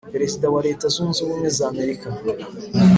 Perezida wa leta zunze ubumwe z’amerika.